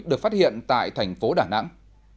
được phát hiện tại thành phố đà nẵng